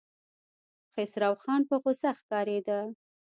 خسروخان په غوسه ښکارېده.